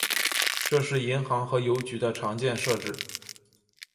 这是银行和邮局的常见设置。